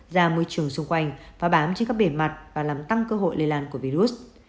ra môi trường xung quanh phá bám trên các bề mặt và làm tăng cơ hội lây lan của virus